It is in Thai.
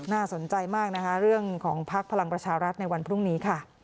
น่าสนใจมากนะคะเรื่องของภักดิ์พลังประชารัฐในวันพรุ่งนี้ค่ะ